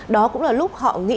đó cũng là lúc họ nghĩ